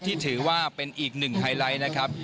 ถือว่าเป็นอีกหนึ่งไฮไลท์นะครับ